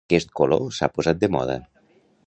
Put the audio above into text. Aquest color s'ha posat de moda.